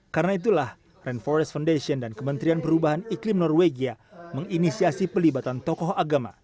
karena itulah rainforest foundation dan kementerian perubahan iklim norwegia menginisiasi pelibatan tokoh agama